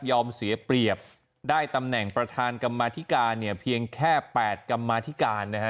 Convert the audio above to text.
เสียเปรียบได้ตำแหน่งประธานกรรมาธิการเนี่ยเพียงแค่๘กรรมาธิการนะฮะ